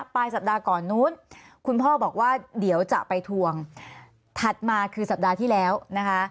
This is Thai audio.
ปลายสัปดาห์ก่อนนู้นคุณพ่อบอกว่าเดี๋ยวจะไปทวงถัดมาคือสัปดาห์ที่แล้วนะคะ